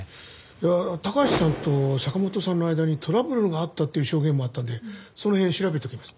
いや高橋さんと坂本さんの間にトラブルがあったっていう証言もあったんでその辺調べておきます。